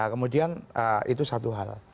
kemudian itu satu hal